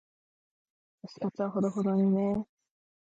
推し活はほどほどにね。